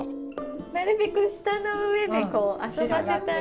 なるべく舌の上で遊ばせたい。